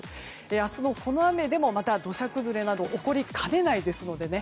明日のこの雨でもまた土砂崩れなど起こりかねないですのでね。